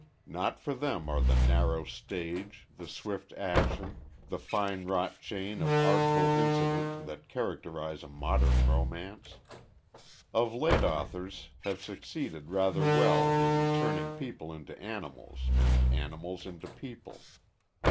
Not for them are the narrow stage, the swift action, the fine wrought chain of artful incident that characterize a modern romance. Of late authors have succeeded rather well in turning people into animals and animals into people.